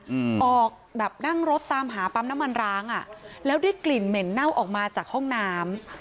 อืมออกแบบนั่งรถตามหาปั๊มน้ำมันร้างอ่ะแล้วได้กลิ่นเหม็นเน่าออกมาจากห้องน้ำ